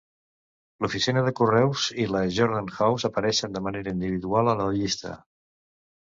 L'oficina de correus i la Jordan House apareixen de manera individual a la llista.